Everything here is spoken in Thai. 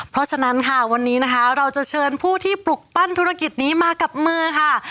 เพราะฉะนั้นค่ะวันนี้นะคะเราจะเชิญผู้ที่ปลุกปั้นธุรกิจนี้มากับมือค่ะ